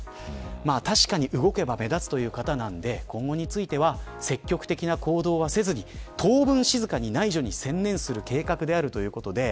確かに動けば目立つという方なので今後については積極的な行動はせずに当分静かに内助に専念する計画であるということです。